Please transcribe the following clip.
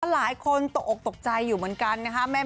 หลายคนตกออกตกใจอยู่เหมือนกันนะคะ